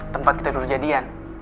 tempat kita duduk jadian